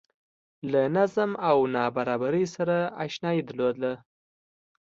له نظم او نابرابرۍ سره اشنايي درلوده